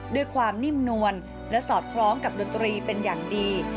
ด้วยความนิ่มนวลและสอดคล้องกับดนตรีเป็นอย่างดี